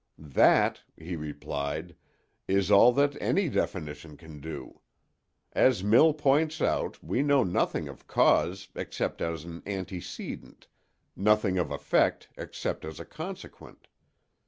"That," he replied, "is all that any definition can do. As Mill points out, we know nothing of cause except as an antecedent—nothing of effect except as a consequent.